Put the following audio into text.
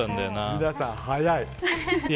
皆さん早い。